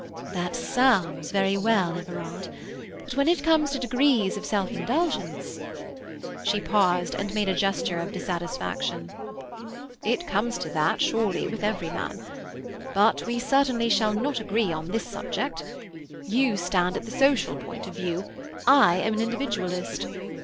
"That sounds very well, Everard. But when it comes to degrees of self indulgence—" She paused and made a gesture of dissatisfaction. "It comes to that, surely, with every man. But we certainly shall not agree on this subject. You stand at the social point of view; I am an individualist.